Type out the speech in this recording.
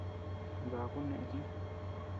Daku neés uu.